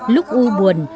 lúc u buồn